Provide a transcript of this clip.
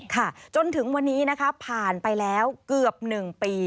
ค่ะจนถึงวันนี้ผ่านไปแล้วเกือบหนึ่งปี